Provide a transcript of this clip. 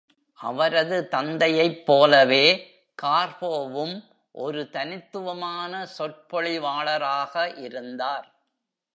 அவரது தந்தையைப் போலவே, கார்போவும் ஒரு தனித்துவமான சொற்பொழிவாளராக இருந்தார்.